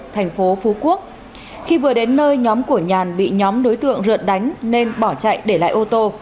thành phố phú quốc khi vừa đến nơi nhóm của nhàn bị nhóm đối tượng rượt đánh nên bỏ chạy để lại ô tô